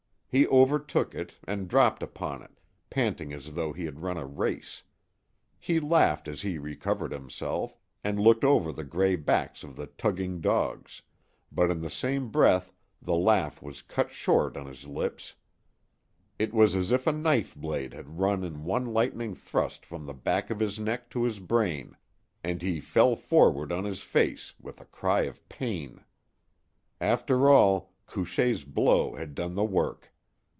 He overtook it, and dropped upon it, panting as though he had run a race. He laughed as he recovered himself, and looked over the gray backs of the tugging dogs, but in the same breath the laugh was cut short on his lips. It was as if a knife blade had run in one lightning thrust from the back of his neck to his brain, and he fell forward on his face with a cry of pain. After all, Couchée's blow had done the work.